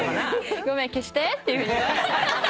ごめん消してっていうふうに。